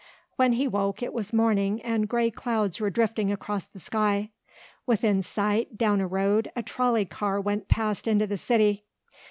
When he woke it was morning and grey clouds were drifting across the sky. Within sight, down a road, a trolley car went past into the city.